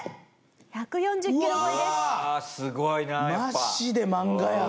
マジで漫画や！